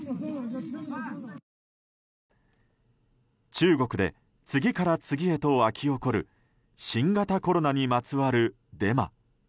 中国で次から次へと湧き起こる新型コロナにまつわるデマ。